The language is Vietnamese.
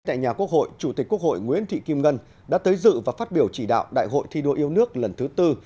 tại nhà quốc hội chủ tịch quốc hội nguyễn thị kim ngân đã tới dự và phát biểu chỉ đạo đại hội thi đua yêu nước lần thứ tư